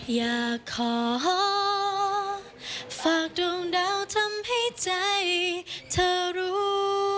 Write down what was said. อยากขอฝากดวงดาวทำให้ใจเธอรู้